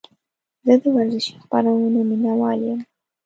زه د ورزشي خپرونو مینهوال یم.